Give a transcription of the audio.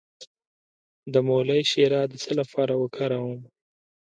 د مولی شیره د څه لپاره وکاروم؟